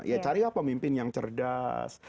ya carilah pemimpin yang cerdas